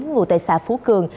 ngụ tệ xã phú cường